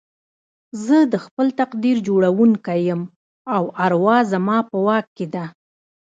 زه د خپل تقدير جوړوونکی يم او اروا زما په واک کې ده.